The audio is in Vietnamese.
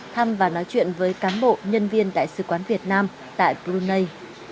thăm và nói chuyện với cán bộ nhân viên đại sứ quán việt nam tại brunei